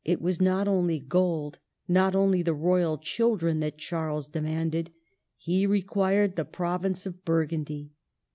It was not only gold, not only the Royal children that Charles demanded ; he required the province of Burgundy.